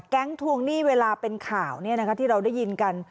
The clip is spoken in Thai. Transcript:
ทวงหนี้เวลาเป็นข่าวที่เราได้ยินกัน